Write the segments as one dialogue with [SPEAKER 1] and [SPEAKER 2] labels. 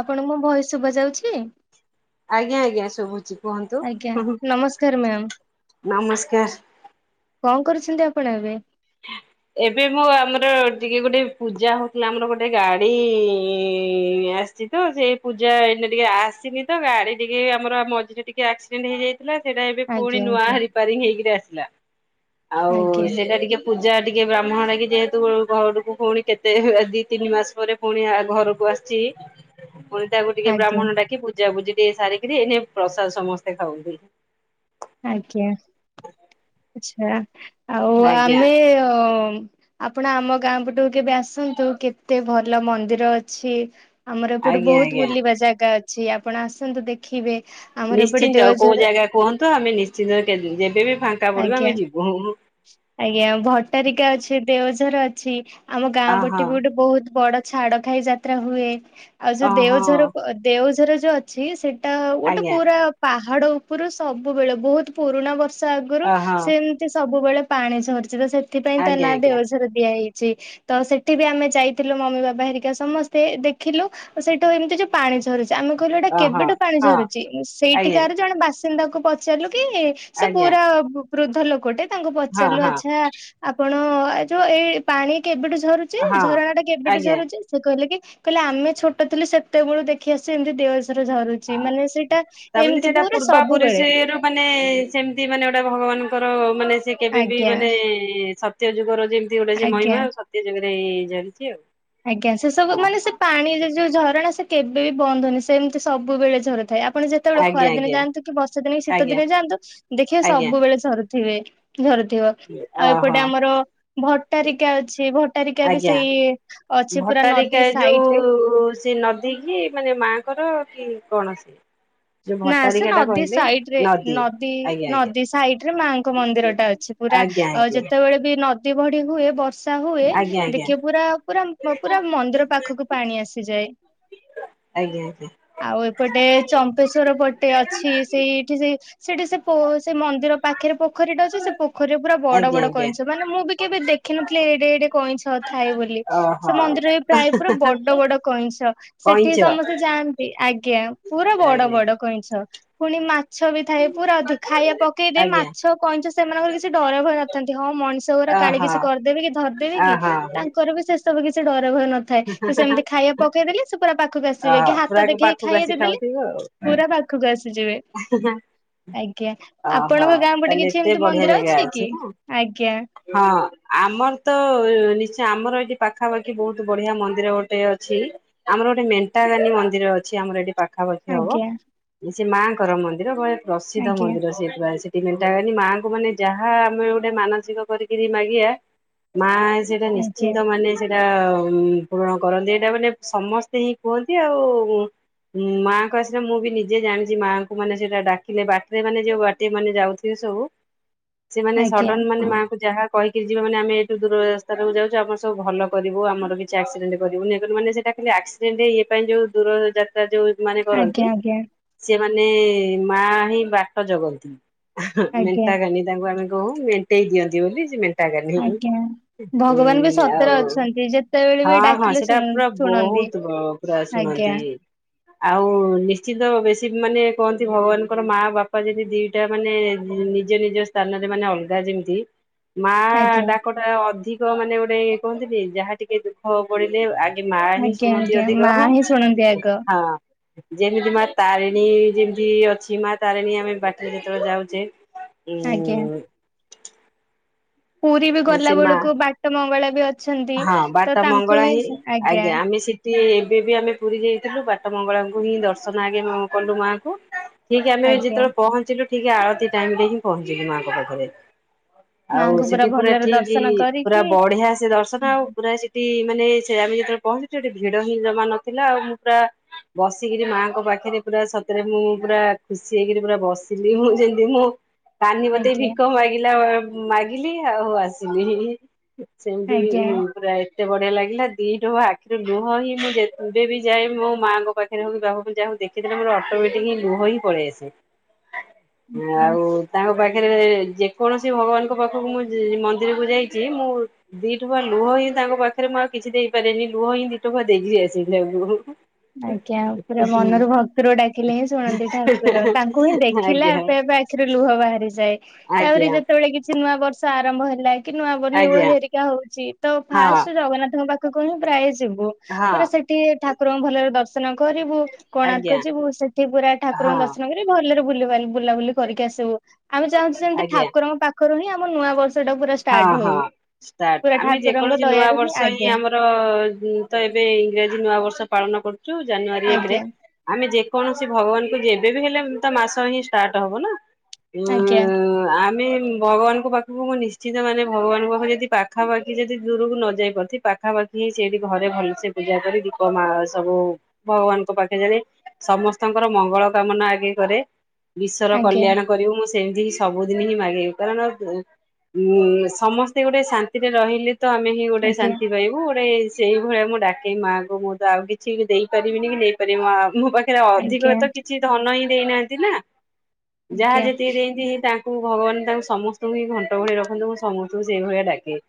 [SPEAKER 1] ଆପଣଙ୍କୁ ଭଏସ ଶୁଭା ଯାଉଛି।
[SPEAKER 2] ଆଜ୍ଞା ଆଜ୍ଞା ସୁବୁଛି।
[SPEAKER 1] ଆଜ୍ଞା ନମସ୍କାର ମ୍ୟାମ
[SPEAKER 2] ନମସ୍କାର।
[SPEAKER 1] [inaudible] କ କରୁଛନ୍ତି ଆପଣ ଏବେ
[SPEAKER 2] ଏବେ ମୁଁ ଆମର ଟିକେ ଗୋଟେ ପୂଜା ହଉଥିଲା ଆମର ଗୋଟେ ଗାଡି ଆସିଛି। ତ ସେଇ ପୂଜା ଏଇ ଟିକେ ଆସିନି ତ ଗାଡି ଟିକେ ଆମର ମଝିରେ ଟିକେ ଆକ୍ସିଡେଣ୍ଟ ହେଇ ଥିଲା ସେଟା ଏବେ ପୁଣି
[SPEAKER 1] ଆଜ୍ଞା
[SPEAKER 2] ନୂଆ
[SPEAKER 1] ଆଜ୍ଞା
[SPEAKER 2] ରିପାରି ହେକି ଆସ ଥିଲା। ଆଉ
[SPEAKER 1] ଆଜ୍ଞା
[SPEAKER 2] ସେଇଟା ଟିକେ ପୂଜା ଟିକେ ବ୍ରାହ୍ମଣ ଲାଗ କିି ଯେହେତୁ ଘରକୁ ପୁଣି କେତେ ଦି ତିନି ମାସ ପରେ ପୁଣି ଘରକୁ ଆସିଛି। ମଣି ତାକୁିକେ
[SPEAKER 1] ଆଜ୍ଞା
[SPEAKER 2] ବ୍ରାହ୍ମଣ ଡାକି ବୁଝା ବୁଝି ସାରିକିରି ଏଇନ ପ୍ରସାଦ ସମସ୍ତେ ଖାଉଛନ୍ତି।
[SPEAKER 1] ଆଜ୍ଞା ଆଛା।
[SPEAKER 2] ଆଜ୍ଞା।
[SPEAKER 1] ଆପଣ ଆମ ଗାଁ ପଟୁକୁ କେବେ ଆସନ୍ତୁ କେତେ ଭଲ ମନ୍ଦିର ଅଛି। ଆମର ଏପଟୁ
[SPEAKER 2] ଆଜ୍ଞା
[SPEAKER 1] ବହୁତ
[SPEAKER 2] ଆଜ୍ଞା।
[SPEAKER 1] ବୁଲିବା ଜାଗା ଅ ଆପଣ ଆସନ୍ତୁ ଦେଖିବେ। ଆମର ଏପଟେ
[SPEAKER 2] ନିଶ୍ଚିନ୍ତ କୋଉ
[SPEAKER 1] ଦେଓଝର
[SPEAKER 2] ଜାଗା କୁହନ୍ତୁ ଆମେ ନି ଚିନ ଯେବେ ବି ଫାଙ୍କା ପଡିବ
[SPEAKER 1] ଆଜ୍ଞା
[SPEAKER 2] ଆମେ ଯିବୁ।
[SPEAKER 1] [inaudible] ଆଜ୍ଞା ଭଟାରିକା ଅଛି। ଦେଓଝର ଅଛି। ଆମ ଗାଁ
[SPEAKER 2] ଅହଁ
[SPEAKER 1] ପଟେ ବି ଗୋଟେ ବହୁତ ବଡ ଛାଡ଼ ଖାଇ ଯାତ୍ରା ହୁଏ। ଆଉ ଯୋଉ
[SPEAKER 2] ଅହଁ
[SPEAKER 1] ଦେଓଝର ଦେଉ ରେ ଯୋଉ ଅଛି ସେ ଗୋଟେ
[SPEAKER 2] ଆଜ୍ଞା
[SPEAKER 1] ପୁରା ପାହା ହାଡ଼ ଉପରୁ ସବୁବେଳେ ବହୁତ ପୁରୁଣା ବର୍ଷ ଆଗରୁ
[SPEAKER 2] ଅହଁ
[SPEAKER 1] ସେଇ ଯୋ ସବ୍ ସବୁବେଳେ ପାଣି ସରିଛି ତ ସେଥି ସେଥିପାଇଁ ତା
[SPEAKER 2] ଆଜ୍ଞା
[SPEAKER 1] ନା
[SPEAKER 2] ଆଜ୍ଞା
[SPEAKER 1] ଦେଓଝର ଦିଆହେଇଚି। ଛି। ତ ସେଠି ବି ଆମେ ଯାଇଥିଲୁ ମମି ବାବା ହେରିକା ସମସ୍ତେ ଦେଖିଲୁ ସେଠୁ ଏମିତି ଯୋଉ ପାଣି ଝରୁଚି ଆମେ କହିଲୁ ଏଇଟା
[SPEAKER 2] ଅହଁ
[SPEAKER 1] କେବେଠୁ ପାଣି
[SPEAKER 2] ହଁ
[SPEAKER 1] ଝରୁଛି
[SPEAKER 2] ଆଜ୍ଞା
[SPEAKER 1] ସେଇଠିକାର ଜଣେ ବାସି ସିନ୍ଦାକୁ ପଚାରିଲୁ କି?
[SPEAKER 2] ଆଜ୍ଞା
[SPEAKER 1] ପୁରା ବୃଦ୍ଧ ଲୋକଟେ ତାଙ୍କୁ
[SPEAKER 2] ହଁ
[SPEAKER 1] ପଚାରିଲୁ
[SPEAKER 2] ହଁ
[SPEAKER 1] ଆଚ୍ଛା। ଆପଣ ଯୋଉ ଏଇ ପାଣି କେବେଠୁ ଝରୁଛି
[SPEAKER 2] ହଁ
[SPEAKER 1] ଝରଣାଟା କେବେଠୁ
[SPEAKER 2] ଆଜ୍ଞା।
[SPEAKER 1] ଝରୁଛି ସେ କହିଲେ କି କହିଲେ ଆମେ ଛୋଟ ଥିଲୁ ସେତେବେଳୁ ଦେଖି ଆସି ଏମିତି ଦେଓ ଝର୍ ଝରୁଛି ମାନେ ସେଇଟା
[SPEAKER 2] ତାମାନେ
[SPEAKER 1] ଏମିତି
[SPEAKER 2] ସେଟା
[SPEAKER 1] ପୁରା
[SPEAKER 2] ପୂର୍ବାପୁରୀ
[SPEAKER 1] ସବୁବେଳେ
[SPEAKER 2] ସେରୁ ମାନେ ସେମିତି ମାନେ ଗୋଟା ଭଗବାନଙ୍କର ମାନେ ସେ କେବେ ବି
[SPEAKER 1] ଆଜ୍ଞା
[SPEAKER 2] ମାନେ ସତ୍ୟ ଯୁଗର ଯେମିତି ଗୋଟେ ସେ
[SPEAKER 1] ଆଜ୍ଞା।
[SPEAKER 2] ମହିମା ସତ୍ୟ ଯୁଗରୁ ହେଇ ଝରୁଛି ଆଉ।
[SPEAKER 1] ଆଜ୍ଞା ସେ ସବୁ ମାନେ
[SPEAKER 2] ଓହୋ
[SPEAKER 1] ସେ ପାଣି ଯୋଉ ଝରଣା ସେ କେବେ ବି ବନ୍ଦ ହଉନି ସେମିତି ସବୁବେଳେ ଝର ଥାଏ ଆପଣ ଯେତେବେଳେ
[SPEAKER 2] ଆଜ୍ଞା
[SPEAKER 1] ଖରା ଦିନେ
[SPEAKER 2] ଆଜ୍ଞା
[SPEAKER 1] ଯାଆନ୍ତୁ କି ବର୍ଷା ଦିନେ କି ଶୀତ
[SPEAKER 2] ଆଜ୍ଞା
[SPEAKER 1] ଦିନେ ଯାଆନ୍ତୁ ଦେଖିବେ
[SPEAKER 2] ଆଜ୍ଞା
[SPEAKER 1] ସବୁବେଳେ ଝରୁ ଥିବେ। ଝରୁଥିବ ଆଉ
[SPEAKER 2] ଓହୋ
[SPEAKER 1] ଏପଟେ ଆମର ଭ ଭଟ୍ଟାରିକା ଅଛି। ଭଟ୍ଟାରିକା ବି
[SPEAKER 2] ଆଜ୍ଞା।
[SPEAKER 1] ସେଇ ଅଛି ପୁରା
[SPEAKER 2] ଭଟ୍ଟାରିକା
[SPEAKER 1] ନଦୀ ସାଇଡ୍ ରେ
[SPEAKER 2] ଯୋଉ ସେ ନଦୀ କିି ମାନେ ମାଆଙ୍କର କି କୌଣସି
[SPEAKER 1] ନା ସେ ନଦୀ ସାଇଟରେ ନଦୀ
[SPEAKER 2] ଆଜ୍ଞା
[SPEAKER 1] ନଦୀ ସାଇଟରେ ମାଆଙ୍କ ମନ୍ଦିରଟା ଅଛି। ପୁରା
[SPEAKER 2] ଆଜ୍ଞା ଆଜ୍ଞା
[SPEAKER 1] ଯେତେବେଳେ ବି ନଦୀ ଯେଭଳି ହୁଏ ବର୍ଷ ବର୍ଷା ହୁଏ
[SPEAKER 2] ଆଜ୍ଞା ଆଜ୍ଞା ଆଜ୍ଞା
[SPEAKER 1] ଦେଖିବ ପୁରା ପୁରା ପୁରା ମନ୍ଦିର ପାଖକୁ ପାଣି ଆସିଯାଏ।
[SPEAKER 2] ଆଜ୍ଞା ଆଜ୍ଞା।
[SPEAKER 1] ଆଉ ଏପଟେ ଚ ର ପଟେ ଅଛି ସେଇଠି ସେ ସେଇଟା ସେ ପୋ ସେ ମନ୍ଦିର ପାଖରେ ପୋଖରୀଟେ ଅଛି। ସେ ପୋଖରୀରେ ପୁରା ବଡ
[SPEAKER 2] ଆଜ୍ଞା
[SPEAKER 1] ବଡ
[SPEAKER 2] ଆଜ୍ଞା
[SPEAKER 1] କଇଁଛ ମାନେ ମୁଁ ବି କେବେ ଦେଖିନଥିଲି। ଏଡେ ଏଡେ କଇଁଛ ଥାଏ ବୋଲି ସେ
[SPEAKER 2] ଓହୋ
[SPEAKER 1] ମନ୍ଦିର ବି ପ୍ରାୟ ପୁରା ବଡ ବଡ କଇଁଛ
[SPEAKER 2] କଇଁଛ
[SPEAKER 1] ସେଠି ସମସ୍ତେ ଯାଆନ୍ତି। ଆଜ୍ଞା ପୁରା ବଡ
[SPEAKER 2] ଆଜ୍ଞା।
[SPEAKER 1] କଇଁଛ ପୁଣି ମା ମାଛ ବି ଥାଏ ପୁରା ଅଧିକ ଖାଇବା ପକେଇଦ
[SPEAKER 2] ଆଜ୍ଞା
[SPEAKER 1] ମାଛ କଇଁଛ ସେମାନଙ୍କର କିଛି ଡର ଭୟ ନଥାନ୍ତି। ହଁ ମଣିଷ ଘରେ କାଲେ
[SPEAKER 2] ଓହୋ
[SPEAKER 1] କିଛି କରିଦେବି କି ଧରିଦେବି କି
[SPEAKER 2] ଓହୋ
[SPEAKER 1] ତାଙ୍କର ବି ସେ ସବୁ କିଛି ଡ ଡର ଭୟ ନଥାଏ ସେମିତି ଖାଇବା ପକେଇ ଦେଲେ। ସେ ପୁରା ପାଖକୁ ଆସିବେ
[SPEAKER 2] ଓହୋ
[SPEAKER 1] କି
[SPEAKER 2] ପୁରା
[SPEAKER 1] ହାତ ଦେଖେଇି
[SPEAKER 2] ପାଖକୁ
[SPEAKER 1] ଖାଇବା
[SPEAKER 2] ଆସି
[SPEAKER 1] ଦେଇଦେଲେ।
[SPEAKER 2] ଖାଉଥିବ ଆଉ।
[SPEAKER 1] ପୁରା ପାଖକୁ ଆସିଯିବ।
[SPEAKER 2] ଓହୋ
[SPEAKER 1] ଆପଣଙ୍କ ଗାଁ ପଟେ
[SPEAKER 2] ତାହଲେ
[SPEAKER 1] କିଛି
[SPEAKER 2] ଏତେ
[SPEAKER 1] ଏମିତି
[SPEAKER 2] ବଢିଆ
[SPEAKER 1] ମନ୍ଦିର
[SPEAKER 2] ଜାଗା ଅଛି
[SPEAKER 1] କି? ଆଜ୍ଞା
[SPEAKER 2] ନା ହଁ ଆମର ତ ନି୍ଚ ଆମର ଏଠି ପାଖାପାଖି ବହୁତ ବଢିଆ ମନ୍ଦିର ଗୋଟେ ଅଛି ଆମ ଗୋଟେ ମେଣ୍ଟାଗାନି ମନ୍ଦିର ଅଛି। ଆମର ଏଠି ପାଖ ପାଖାପଖିଆ ହବ
[SPEAKER 1] ଆଜ୍ଞା
[SPEAKER 2] ସେ ମା ମନ୍ଦିର ବେ ପ୍ରସିଦ୍ଧ
[SPEAKER 1] ଆଜ୍ଞା
[SPEAKER 2] ମନ୍ଦିର ସେଠୁ ସେଠି ମେନ୍ତା ଗଣିମାଙ୍କୁ ମାନେ ଯାହା ଆମେ ଗୋଟେ ମାନସିକ କରିକିରି ମାଗିବା ମା ସେଇଟା
[SPEAKER 1] ଆଜ୍ଞା
[SPEAKER 2] ନିଶ୍ଚିନ୍ତ ମାନେ ଟା ପୂରଣ କରନ୍ତି ଏଇଟା ମାନେ ସମସ୍ତେ ହିଁ କୁହନ୍ତି। ଆଉ ମାଙ୍କ ଆସିଲା ମୁଁ ବି ନିଜେ ଜାଣିଛି ମା-' ମାନେ ସେଇଟା ଡାକିଲେ ବାଟରେ ମାନେ ଯୋଉ ବାଟେ ମାନେ ଯାଉଥିବେ। ସବୁ ସେମାନେ
[SPEAKER 1] ଆଜ୍ଞା
[SPEAKER 2] ସଡନ ମାନେ ମାଆଙ୍କୁ ଯାହା କହିକିରି ଯିବା ମାନେ ଆମେ ଏଇଠୁ ଦୂର ରାସ୍ତତାକୁ ଯାଉଛ ଆମ ସବୁ ଭଲ କରିବୁ ଆମର କିଛିକ୍ସିଡେଣ୍ଟ କରିବୁନି। ମାନେ ସେଟାଲି ଆକ୍ସିେଣ୍ଟଇ ପାଇଁ ଯଉ ଦୂରଯାତ୍ରା ଯଉ ମାନେ କରନ୍ତି
[SPEAKER 1] ଆଜ୍ଞା ଆଜ୍ଞା
[SPEAKER 2] ସେମାନେ ମାନେ ମା ହିଁ ବାଟ ଜଗନ୍ତି।
[SPEAKER 1] ଆଜ୍ଞା
[SPEAKER 2] ମେଣ୍ଟଗାନି ତାଙ୍ଗ ଆମେ ମେଣ୍ଟେଇ ଦିଅନ୍ତି ବୋଲି
[SPEAKER 1] ଆଜ୍ଞା। ଭଗବାନ ବି ସତରେ
[SPEAKER 2] ଆଉ
[SPEAKER 1] ଅଛନ୍ତି ଯେତେବେଳେ ବି
[SPEAKER 2] ହଁ ହଁ
[SPEAKER 1] ଡାକିଲେ
[SPEAKER 2] ସେଟା
[SPEAKER 1] ଶୁଣ
[SPEAKER 2] ପୁରା
[SPEAKER 1] ଶୁଣନ୍ତି।
[SPEAKER 2] ବହୁତ ପୁରା
[SPEAKER 1] ଆଜ୍ଞା
[SPEAKER 2] ଶୁଣନ୍ତି। ଆଉ ନିଶ୍ଚିତ ବେଶୀ ମାନେ କୁହନ୍ତି ଭଗବାନଙ୍କର ମା ବାପା ଯେମିତି ଦିଟା ମାନେ ନିଜ ନିଜ ସ୍ଥାନରେ ମାନେ ଅଲଗା ଯେମିତି ମା
[SPEAKER 1] ଆଜ୍ଞା
[SPEAKER 2] ଡାକ ଟା ଅଧି ଦ ମାନେ ଗୋଟେ କୁହନ୍ତିନି ଯାହା ଟିକେ ଦୁଃଖ ପଡିଲେ ଏ ମା ହିଁ
[SPEAKER 1] ଆଜ୍ଞା
[SPEAKER 2] ଶୁଣନ୍ତି
[SPEAKER 1] ଆଜ୍ଞା
[SPEAKER 2] ଅଧିକ
[SPEAKER 1] ମା
[SPEAKER 2] ହଁ
[SPEAKER 1] ହିଁ ଶୁଣନ୍ତି ଆଗ
[SPEAKER 2] ହଁ। ଯେମିତି ମା ତାରି ଣୀ ଯେମତି ଅଛି ମା ତାରିଣୀ ଆମେ ବାଟରେ ଯେତେବେଳେ ଯାଉଛେ।
[SPEAKER 1] ଆଜ୍ଞା।
[SPEAKER 2] ହୁଁ [inaudible]
[SPEAKER 1] ପୁରୀ ବି ଗଲା ବେଳକୁ ବାଟ ମଙ୍ଗଳା ବି ଅ
[SPEAKER 2] ହଁ ବଟ ମଙ୍ଗଳା ହିଁ ଆଜ୍ଞା ଆମେ ସେ ଟିକଏ ଏବେ ବି ଆମେ ପୁରୀ ଯାଇଥିଲୁ ବାଟ ମଙ୍ଗଳାଙ୍କୁ ହିଁ ଦର୍ଶନ ଆଗେ କଲୁ ମାଙ୍କୁ। ଠିକ ଆମେ
[SPEAKER 1] ଆଜ୍ଞା
[SPEAKER 2] ଯେତେବେଳେ ପହଞ୍ଚିଲୁ ଟିକେ ଆଳତି ଟାଇମ ରେ ହିଁ ପହଞ୍ଚିବ ମାଙ୍କ ପାଖରେ। ଆଉ
[SPEAKER 1] ମାଙ୍କୁ
[SPEAKER 2] ସେଠି ପୁରା
[SPEAKER 1] ଭଲରେ
[SPEAKER 2] ଠିକ
[SPEAKER 1] ଦର୍ଶନ
[SPEAKER 2] ପୁରା
[SPEAKER 1] କରିକି
[SPEAKER 2] ବଢିଆ ସେ ଦର୍ଶନ ହଁ ପୁର ସିଟିି ମାନେ ସେ ଆମେ ଯେତେବେଳେ ପହଞ୍ଚୁଛୁଠି ଭିଡ ହିଁ ଜମା ନଥିଲା। ଆଉ ମୁଁ ପୁରା ବସିକିରି ମାଙ୍କ ପାଖରେ ପୁରା ସତରେ ମୁଁ ପୁରା ଖୁସି ହେଇକରି ପୁରା ବସିଲି। ମୁଁ ଯେମତି ମୁଁ କାନିପତେଇ
[SPEAKER 1] ଆଜ୍ଞା
[SPEAKER 2] ଭିକ ମାଗିିଲା। ମାଗିଲି ଆଉ ଆସିଲି। ସେମିତି ବି
[SPEAKER 1] ଆଜ୍ଞା
[SPEAKER 2] ଏଇ [unintelligible] ଏତେ ବଢିଆ ଲାଗିଲା ଦିଟୁ ହ ଆଖିରୁ ଲୁହ ହିଁ ମୁଁ ଏବେ ବି ଯାଏ ମୋ ମାଆଙ୍କ ପାଖରେ ହଉ ବାପ ଯା ହଉ ଦେଖିଲେ ମୋର ଅଟୋମେଟିକ ହି ଲୁହ ହିଁ ପଳେଇ ଆସେ। ଆଉ ତାଙ୍କ ପାଖ ପାଖରେ ଯେକୌଣସି ଭଗବାନଙ୍କ ପାଖକୁ ମୁଁ ମନ୍ଦିରକୁ ଯାଇଛି ମୁଁ ଦି ଲୁହ ହିଁ ତାଙ୍କ ପାଖରେ ମୁଁଉ କିଛି ଦେଇପାରେନି ଲୁହ ହିଁ ଦିଟୁଆ ଦେଇକି ଆସିଲି ତାଙ୍କୁ।
[SPEAKER 1] ଆଜ୍ଞା ପୁରା ମନରୁ ଭକ୍ତୁର ଡାକିଲେ ହିଁ ଶୁଣନ୍ତି ଠାକୁର ତାଙ୍କୁ ହିଁ ଦେଖିଲା
[SPEAKER 2] ଆଜ୍ଞା
[SPEAKER 1] ଏପ ଏବେ ଆଖିରୁ ଲୁହ ବାହାରିଯାଏ। ତାପରି
[SPEAKER 2] ଆଜ୍ଞା
[SPEAKER 1] ଯେତେବେଳେ କିଛି ନୂଆ ବର୍ଷ ଆରମ୍ଭ ହେ ଲାଇ କି ନୂଆ
[SPEAKER 2] ଆଜ୍ଞା
[SPEAKER 1] ହେରିକା ହଉଛି ତ
[SPEAKER 2] ହଁ
[SPEAKER 1] ଫାଷ୍ଟ ଜଗନ୍ନାଥଙ୍କ ପାଖ ହୁ ପ୍ରାୟ
[SPEAKER 2] ହଁ
[SPEAKER 1] ପୁରା ସେଠି ଠା ର ଦର୍ଶନ କରିବୁ
[SPEAKER 2] ଆଜ୍ଞା
[SPEAKER 1] କୋଣାର୍କ ଯିବୁ ସେଠି ପୁରା ଠାକୁରଙ୍କୁ
[SPEAKER 2] ହଁ
[SPEAKER 1] ଦର୍ଶନ କରିବି ଭଲରେ ବୁଲ ବୁଲାବୁଲି କରିକି ଆସିବୁ। ଆମେ ଚାହୁଛୁ ସେମିତି
[SPEAKER 2] ଆଜ୍ଞା
[SPEAKER 1] ଠାକୁରଙ୍କ ପାଖ ହିଁ ଆମ ନୂଆ ବର୍ଷ ଟା ପୁରା
[SPEAKER 2] ହଁ
[SPEAKER 1] ଷ୍ଟାର୍ଟ
[SPEAKER 2] ହଁ
[SPEAKER 1] ହଉ।
[SPEAKER 2] ଷ୍ଟାର୍ଟ
[SPEAKER 1] ପୁରା
[SPEAKER 2] ଆମେ
[SPEAKER 1] ଠାକୁରଙ୍କ
[SPEAKER 2] ଯେକୌଣସି ନୂଆ
[SPEAKER 1] ଦୟାରୁ
[SPEAKER 2] ବର୍ଷ ହିଁ
[SPEAKER 1] ଆଜ୍ଞା
[SPEAKER 2] ଆମର ତ ଏବେ ଇଂରାଜୀ ନୂଆ ବର୍ଷ ପାଳନ କରୁ ଯୋଉ ଜାନୁଆରୀ ଏକ ରେ
[SPEAKER 1] ଆଜ୍ଞା
[SPEAKER 2] ଆମେ କୌଣସି ଭଗବାନଙ୍କୁ ଯେବେବି ହେଲେ ତା ମାସ ହିଁ ଷ୍ଟାର୍ଟ ହବ ନା? ହୁଁ
[SPEAKER 1] ଆଜ୍ଞା
[SPEAKER 2] ଆମେ ଭଗବାନଙ୍କ ପାଖକୁ ମୁଁ ନିଶ୍ ଚିତମାନେ ଭଗବାନଙ୍କ ପାଖକୁ ଯଦି ପାଖାପାଖି ଯଦି ଦୂରକୁ ନ ଯାଇ ପାରୁଥିଵ୍ ପାଖାପାଖି ହିଁ ସେଇଠି ଘରେ ଭଲସେ ପୂଜା କରି ଦୀପ ମା ସବୁ ଭଗବାନଙ୍କ ପାଖେ ଜାଳେ ସମସ୍ତଙ୍କର ମଙ୍ଗଳ କାମନା ଆଗେଇ କରେ। ବିଶ୍ୱର
[SPEAKER 1] ଆଜ୍ଞା
[SPEAKER 2] କଲ୍ୟାଣ କରିବୁ। ମୋ ସେମିତି ହି ସବୁଦିନ ହିଁ ମାଗିବି। କାରଣ ପୂ ଉଁ ସମସ୍ତେ ଗୋଟେ ଶାନ୍ତିରେ ରହିଲେ ତ ଆମେ ହିଁ ଗୋଟେ
[SPEAKER 1] ଆଜ୍ଞା
[SPEAKER 2] ଶାନ୍ତି ପାଇବୁ ଗୋଟେ ସେଇଭଳିଆ ମୁଁ ଡାକେଇ ମାଆ କୁ ମୁଁ ତ ଆଉ କିଛି ବି ଦେଇପାରିବିନି କି ନେଇପାରିବିନି। ମା ମୋ ପାଖରେ
[SPEAKER 1] ଆଜ୍ଞା
[SPEAKER 2] ଅଧିକ
[SPEAKER 1] ଆଜ୍ଞା
[SPEAKER 2] ତ କିଛି ଧନ ହିଁ ଦେଇ ନାହାଁନ୍ତି ନା? ଯାହା
[SPEAKER 1] ଆଜ୍ଞା।
[SPEAKER 2] ଯେତିକି ଦେଇଁନ୍ତି, ହେ ତା କୁ ଭଗବାନ ତାଙ୍କୁ ସମସ୍ତଙ୍କୁ ହିଁ ଘଣ୍ଟ ଘଣ୍ଟ ଘୋଡେଇ ରଖନ୍ତୁ ମୁଁ ସମସ୍ତଙ୍କୁ ସେଇ ଭଳିଆ ଡାକେ।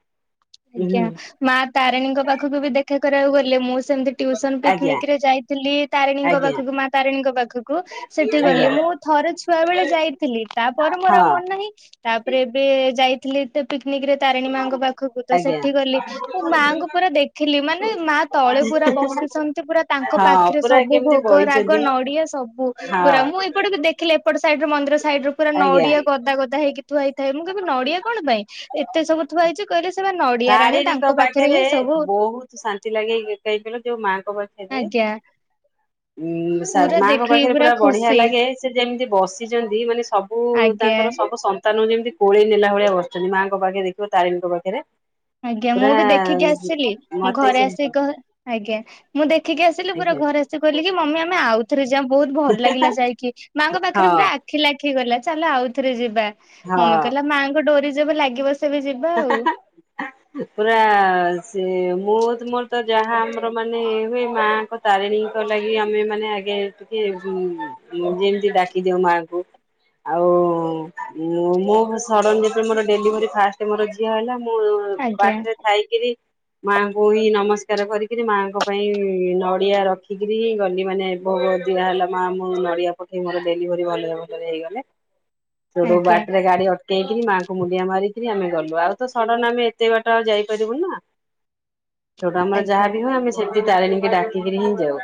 [SPEAKER 2] ହୁଁ
[SPEAKER 1] ଆଜ୍ଞା। ମା ତାରିଣୀଙ୍କ ପାଖକୁ ବି ଦେଖା କରିବାକୁ ଗଲ ହେଲେ ମୁଁ ସ୍ ସେମିତି ଟ୍ୟୁସନ୍
[SPEAKER 2] ଆଜ୍ଞା
[SPEAKER 1] ପିକ୍ନିକ୍ ରେ ଯାଇଥିଲି ତାରିଣୀଙ୍କ
[SPEAKER 2] ଆଜ୍ଞା
[SPEAKER 1] ପାଖକୁ ମା ତାରିଣୀଙ୍କ ପାଖକୁ। ସେଠି
[SPEAKER 2] ଆଜ୍ଞା।
[SPEAKER 1] ଗଲି ମୁଁ ଥରେ ଛୁଆ ବେଳେ ଯାଇଥିଲି। ତା ପରେ ମୋର ଆଉ
[SPEAKER 2] ହଁ
[SPEAKER 1] ମନ ନାହିଁ। ତା ପରେ ଏବେ ଯାଇ ଥିଲେ ଏଟା ପି ଠିକ୍ ରେ ତାରିଣୀ ମାଙ୍କ ପାଖକୁ ତ
[SPEAKER 2] ଆଜ୍ଞା
[SPEAKER 1] ସେଠି ଗଲି ମୁଁ ମାଙ୍କୁ ପୁରା ଦେଖିଲି ମାନେ ମା ତଳେ ପୁରା ବସିଛନ୍ତି। ପୁରା ତାଙ୍କ
[SPEAKER 2] ହଁ
[SPEAKER 1] ପାଖରେ
[SPEAKER 2] ପୁରା
[SPEAKER 1] ସବୁ
[SPEAKER 2] କେମିତି
[SPEAKER 1] ଭୋଗ ରାଗ
[SPEAKER 2] ବଇଛନ୍ତି
[SPEAKER 1] ନଡିଆ ସବ
[SPEAKER 2] ହଁ।
[SPEAKER 1] ପୁରା ମୁଁ ଏଇ ପଟେ ବି ଦେଖିଲେ ଏପଟ ସାଇଡ୍ ର ମନ୍ଦିର ସାଇଡ୍ ର ପୁରା
[SPEAKER 2] ଆଜ୍ଞା।
[SPEAKER 1] ନଡ଼ିଆ ଗଦା ଗଦା ହେଇକି ଥୁଆ ହେଇଥାଏ ମୁଁ କହିବି ନଡିଆ କଣ ପାଇଁ ଏତେ ସବୁ ଥୁଆ ହେଇଚି। କହିଲେ ସେ ବା ନଡିଆ ରାଣୀ
[SPEAKER 2] ତାରିଣୀଙ୍କ
[SPEAKER 1] ତାଙ୍କ ହିଁ
[SPEAKER 2] ପାଖରେ
[SPEAKER 1] ସବୁ
[SPEAKER 2] ବହୁତ୍ ଶାନ୍ତି ଲାଗେଇ କାଇ କହିଲ ଯୋଉ ମାଆଙ୍କ ପାଖେ
[SPEAKER 1] ଆଜ୍ଞା।
[SPEAKER 2] ଉଁ ସାଦ୍
[SPEAKER 1] ପୁରା
[SPEAKER 2] ମାଙ୍କ
[SPEAKER 1] ଦେଖିକି
[SPEAKER 2] ପାଖରେ ପୁରା ବଢିଆ
[SPEAKER 1] ଖୁସି
[SPEAKER 2] ଲାଗେ ସେ ଯେମିତି ବସିଚନ୍ତି ମାନେ ସବୁ
[SPEAKER 1] ଆଜ୍ଞା
[SPEAKER 2] ତାଙ୍କର ସବୁ ସମ୍ ତାନୁ ଯେମିତି କୋଳେଇ ନେଲା ଭଳିଆ ବସଚନ୍ତି। ମା ଙ୍କ ପାଖରେ ଦେଖିବ ତାରିଣୀଙ୍କ ପାଖରେ।
[SPEAKER 1] ଆଜ୍ଞା, ମୁଁ
[SPEAKER 2] ପୁରା
[SPEAKER 1] ବି ଦେଖିକି ଆସିଲି। ମୁଁ
[SPEAKER 2] ମତେ
[SPEAKER 1] ଘରେ ଆସି
[SPEAKER 2] ସେମିତି
[SPEAKER 1] କହ ଆଜ୍ଞା ମୁଁ ଦେଖିକି ଆସିଲି ପୁରା ଘରେ ଆସିିକି କଇଲି କି ମମି ଆମେ ଆଉଥରେ ଯା ବହୁତ ଭଲ ଲାଗିଲା
[SPEAKER 2] ଆଜ୍ଞା
[SPEAKER 1] ଯାଇକି ମାଆଙ୍କ
[SPEAKER 2] ହଁ
[SPEAKER 1] ପାଖରେ ପୁରା ଆଖିଲା ଠି ଗଲା ଚାଲ ଆଉ ଥରେ ଯିବା। ମମି
[SPEAKER 2] ହଁ
[SPEAKER 1] କହିଲା ମାଆଙ୍କ ଡୋରି ଯେବେ ଲାଗିବ ତେବେ ଯିବା ଆଉ।
[SPEAKER 2] ପୁରା ସେ ମୁଁ ତ ମୋର ଯାହା ଆମର ମାନେ ହୁଏ ମାଙ୍କ ତାରିଣୀଙ୍କ ଲାଗି ଆମେ ମାନେ ଆଗେ ଟିକେ ଯେମିତି ଡାକିଦଉ ମାଙ୍କୁ ଆଉ ମୋର ସଡନ୍ ଯେତେ ମୋର ଡେଲି ଭେରି ଫାଷ୍ଟ୍ ତେମର ଝିଅ ହେଲା ମୁ ମୁଁ
[SPEAKER 1] ଆଜ୍ଞା
[SPEAKER 2] ବାଟରେ ଥାଇକିରି ମାଆଙ୍କୁ ହି ନମସ୍କାର କରିକିରି ମାଆଙ୍କ ପାଇଁ ନଡ଼ିଆ ରଖିକରି ଗଲି ମାନେ ଭୋଗ ଦିଆହେଲା ମା ମୁଁ ନଡ଼ିଆ ପଠେଇ ମୋର ଡେଲିଭରି ଭଲରେ ଭଲରେ ହେଇଗଲେ ସେଠୁ
[SPEAKER 1] ଆଜ୍ଞା
[SPEAKER 2] ବାଟରେ ଗାଡି ଅଟକେଇକି ମା ଙ୍କୁ ମୁଣ୍ଡିଆ ମାରି କିରି ଆମେ ଗଲୁ ଆଉ ତ ସଡନ୍ ଆମେ ଏତେ ବାଟ ଆଉ ଯାଇପାରିବୁ ନା ସେଠୁ ଆମର
[SPEAKER 1] ଆଜ୍ଞା
[SPEAKER 2] ଯାହାବି ହୁଏ ଆମେ ସେମତି ତାରିଣୀ ଡାକିକିରି ହିଁ ଯାଉ।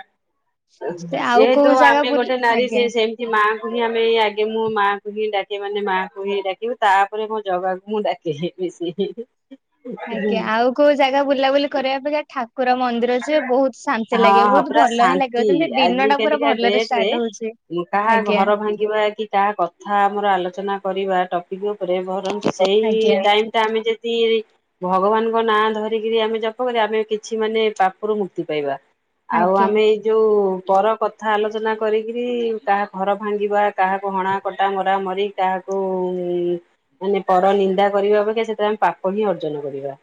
[SPEAKER 1] ସେ ଆଉ
[SPEAKER 2] ଯେହେତୁ
[SPEAKER 1] କୋଉ ଜାଗା
[SPEAKER 2] ଆମେ
[SPEAKER 1] ବୁଲି
[SPEAKER 2] ଗୋଟେ ନାରୀ
[SPEAKER 1] ଆଜ୍ଞା
[SPEAKER 2] ସେ ସେମିତି ମା ପୁଣି ଆମେ ଆଗେ ମୋ ମା ଙ୍କୁ ହି ଡାକେ ମାନେ ମାଆଙ୍କୁ ହିଁ ଡାକିବି ତାପରେ ମୋ ଜଗାକୁ ମୁଁ ଡାକେ ହେ ମିଶି ହି ହି।
[SPEAKER 1] ଆଜ୍ଞା ଆଉ କୋଉ ଜାଗା ବୁଲାବୁଲି କରିବା ପାଇଁ ଯା ଠା
[SPEAKER 2] ହଁ ହଁ
[SPEAKER 1] ବହୁତ
[SPEAKER 2] ପୁରା
[SPEAKER 1] ଭଲ ହିଁ ଲାଗିବ
[SPEAKER 2] ଶାନ୍ତି
[SPEAKER 1] ଯେମିତି ଦିନ
[SPEAKER 2] ଆଜି
[SPEAKER 1] ଟା ପୁରା
[SPEAKER 2] କାଲିକା
[SPEAKER 1] ଭଲରେ
[SPEAKER 2] ଡେଟ୍ ରେ
[SPEAKER 1] ଷ୍ଟାର୍ଟ ହଉଛି
[SPEAKER 2] କାହା
[SPEAKER 1] ଆଜ୍ଞା
[SPEAKER 2] ଘର ଭାଙ୍ଗିବା କି କାହା କଥା ଆମର ଆଲୋଚନା କରିବା ଟପିକ୍ ଉପରେ ଭରନ୍ତୁ ସେଇ
[SPEAKER 1] ଆଜ୍ଞା
[SPEAKER 2] ଟାଇମ୍ ଟା ଆମେ ଯଦି ଭଗବାନଙ୍କ ନାଁ ଧରିକିରି ଆମେ ଜପ କରିବା ଆମେ କେ କିଛି ମାନେ ପାପରୁ ମୁକ୍ତି ପାଇବା। ଆଉ
[SPEAKER 1] ଆଜ୍ଞା
[SPEAKER 2] ଆମେ ଏଇ ଯୋଉ ପର କଥା ଆଲୋଚନା କରିକିରି କାହା ଘର ଭାଙ୍ଗିବା କାହାକୁ ହଣା କଟା ମରା ମରି କାହାକୁ ମାନେ ପର ନିନ୍ଦା କରିବା ଅପକ୍ଷା ସେଥିରେ ଆମେ ପାପ ହିଁ ଅର୍ଜନ କରିବା।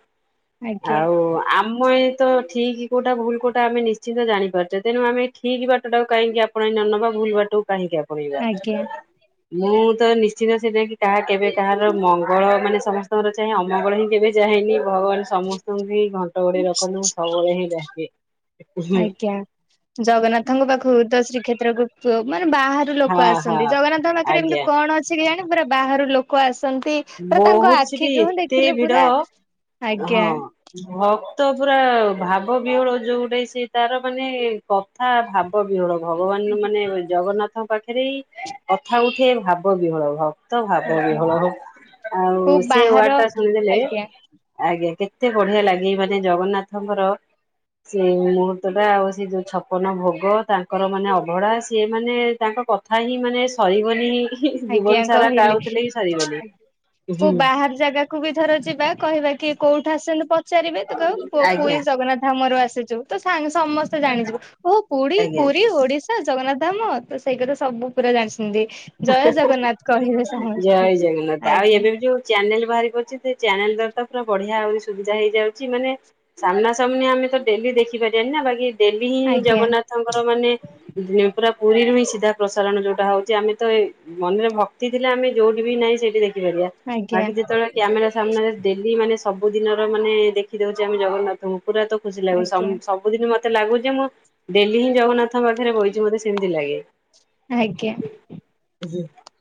[SPEAKER 1] ଆଜ୍ଞା
[SPEAKER 2] ଆଉ ଆମ ତ ଠିକ୍ କୋଉଟା ଭୁଲ୍ କୋଉଟା ଆମେ ନିଶ୍ଚିନ୍ତ ଜାଣିପାରୁଛେ ତେଣୁ ଆମେ ଠିକ୍ ବାଟ ଟାକୁ କାହିଁକି ଆପଣଇ ନ ନବା ଭୁଲ ବାଟ ଟାକୁ କାହିଁକି ଆପଣ
[SPEAKER 1] ଆଜ୍ଞା।
[SPEAKER 2] [unintelligible] ମୁଁ ତ ନିଶ୍ଚିନ୍ତ ସେଟା କି କାହା କେବେ କାହାର ମଙ୍ଗଳ ମାନେ ସମସ୍ତଙ୍କର ଚାହେଁ ଅମଙ୍ଗଳ ହିଁ କେବେ ଚାହେଁନି ଭଗବାନ ସମସ୍ତଙ୍କୁ ହିଁ ଘଣ୍ଟ ଘୋଡେଇ ରଖନ୍ତୁ ସବୁବେଳେ ହିଁ ଡାକେ।
[SPEAKER 1] ଆଜ୍ଞା ଜଗନ୍ନାଥଙ୍କ ପାଖକୁ ଶ୍ରୀକ୍ଷେତ୍ରକୁ [unintelligible] ବାହାରୁ ଲୋକ
[SPEAKER 2] ହଁ ହଁ
[SPEAKER 1] ଆସନ୍ତି ଜଗନ୍ନାଥଙ୍କ ପାଖରେ ଏମିତି
[SPEAKER 2] ଆଜ୍ଞା।
[SPEAKER 1] କଣ ଅଛି କେଜାଣି ପରେ ବାହାରୁ ଲୋକ ଆସ
[SPEAKER 2] ବହୁତ ସେଠି ଏତେ ଭିଡ
[SPEAKER 1] ପୁରା ଆଜ୍ଞା
[SPEAKER 2] ହଁ ହ ତ ପୁରା ଭାବ ବିହଳ ଯୋଉଟେ ସେ ତାର ମାନେ କଥା ଭାବ ବିହୋଳ ଭଗବାନ ମାନେ ଜଗନ୍ନାଥ ତାଙ୍କ ପାଖରେ କଥା ଉଠେ ଭାବ ବିହଳ ଭାବ ତ ଭାବ ବି
[SPEAKER 1] ଆଜ୍ଞା
[SPEAKER 2] ହଳ ହଉ। ଆଉ
[SPEAKER 1] କୋଉ
[SPEAKER 2] ସେ ୱାର୍ଡ
[SPEAKER 1] ବାହାର
[SPEAKER 2] ଟା ଶୁଣିଦେଲେ
[SPEAKER 1] ଆଜ୍ଞା
[SPEAKER 2] ଆ କେତେ ବଢିଆ ଲାଗେ ମାନେ ଜଗନ୍ନାଥଙ୍କର ସେ ମୁହୂର୍ତ୍ତ ଟା ଆଉ ସେ ଯୋଉ ଛପନ ଭୋଗ ତାଙ୍କର ମାନେ ଅଭଡ଼ା ସେ ମାନେ ତାଙ୍କ କଥା ହିଁ ମାନେ ସରିବନି ହିଁ
[SPEAKER 1] ଆଜ୍ଞା
[SPEAKER 2] ଜୀବନ ସାରା
[SPEAKER 1] କହିଲେ।
[SPEAKER 2] କାଉଥିଲେ ବି ସରିବନି।
[SPEAKER 1] କୋଉ ବାହାର ଜାଗାକୁ ବି ଧର ଯିବା କହିବା କି କୋଉ କୋଉଠୁ ଆସିଲୁ କ ପଚାରିବେ ତୁ କହିବୁ ଉ
[SPEAKER 2] ଆଜ୍ଞା
[SPEAKER 1] ପୁରୀ ଜଗନ୍ନାଥ ଧାମରୁ ଆସିଛୁ ତ ସାଙ୍ଗ ସମସ୍ତେ ଜାଣିଯିବୁ ଓୋ ପୁରୀ
[SPEAKER 2] ଆଜ୍ଞା।
[SPEAKER 1] ପୁରୀ ଓଡି ତ ଜଗନ୍ନାଥ ଧାମ ତ ସେଇ କଥା ସବୁ ପୁରା ଜାଣିଛନ୍ତି।
[SPEAKER 2] ହା
[SPEAKER 1] ଜୟ ଜଗନ୍ନାଥ
[SPEAKER 2] ହା
[SPEAKER 1] କହିବେ
[SPEAKER 2] ହା
[SPEAKER 1] ସମସ୍ତେ।
[SPEAKER 2] ଜୟ ଜଗନ୍ନାଥ ଆଉ
[SPEAKER 1] ଆଜ୍ଞା।
[SPEAKER 2] ଏବେ ବି ଯୋଉ ଚ୍ୟାନେଲ ବାହାର କରଛି ସେ ଚ୍ୟାନେଲ ଦ୍ୱାରା ତ ପୁରା ବଢିଆ ଆହୁରି ସୁବିଧା ହେଇଯାଉଛି ମାନେ ସାମ୍ନା ସାମ୍ନ ଆମେ ତ ଡେଲି ଦେଖିପାରିବାନି ନା ବାକି ଦେବୀ ହିଁ
[SPEAKER 1] ଆଜ୍ଞା
[SPEAKER 2] ଜଗନ୍ନାଥଙ୍କର ମାନେ ପୁରା ପୁରୀରୁ ହିଁ ସିଧା ପ୍ରସାରଣ ଯଉଟା ହଉଛି ଆମେ ତ ମନରେ ଭକ୍ତି ଥିଲେ ଆମେ ଯୋଉଠି ବି ନାହିଁ ସେଠି ଦେଖି [unintelligible]
[SPEAKER 1] ଆଜ୍ଞା
[SPEAKER 2] ବାକି ଯେତେବେଳେ କ୍ୟାମେରା ସାମ୍ନା ରେ ଡୈଲ୍ୟ ମାନେ ସବୁଦିନର ମାନେ ଦେଖିଦଉଛେ ଆମେ ଜଗନ୍ନାଥଙ୍କୁ ପୁରା ତ ଖୁସି ଲାଗିବ
[SPEAKER 1] ଆଜ୍ଞା
[SPEAKER 2] ସମ୍ଭ ସବୁଦିନ ମତେ ମତେ ଲାଗୁଛି ମୁଁ ଡେଲି ହିଁ ଜଗନ୍ନାଥଙ୍କ ପାଖରେ ବହିଛି ମତେ ସେମତି ଲାଗେ।
[SPEAKER 1] ଆଜ୍ଞା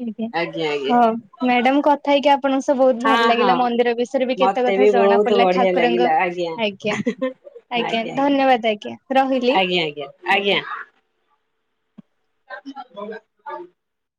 [SPEAKER 1] ଆଜ୍ଞା ହଁ ମାଡାମ କଥା ହେଇକି ଆପ ଆପଣଙ୍କ ସବୁ ବହୁତ ଭଲ
[SPEAKER 2] ହଁ
[SPEAKER 1] ଲାଗିଲା
[SPEAKER 2] ହଁ।
[SPEAKER 1] ମନ୍ଦିର ବିଷୟରେ ବି କେତେ
[SPEAKER 2] ମତେ
[SPEAKER 1] କଥା
[SPEAKER 2] ବି
[SPEAKER 1] ଜଣା
[SPEAKER 2] ବହୁତ
[SPEAKER 1] ପଡିଲା
[SPEAKER 2] ବଢିଆ
[SPEAKER 1] ଠାକୁରଙ୍କ
[SPEAKER 2] ଲାଗିଲା
[SPEAKER 1] ଆଜ୍ଞା ଆଜ୍ଞା ଧନ୍ୟବାଦ ଆଜ୍ଞା। ରହିଲି।
[SPEAKER 2] ଆଜ୍ଞା ଆଜ୍ଞା ଆଜ୍ଞା [inaudible]